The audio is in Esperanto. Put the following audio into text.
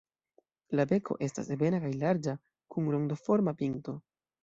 La beko estas ebena kaj larĝa, kun rondoforma pinto.